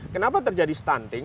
kenapa terjadi stunting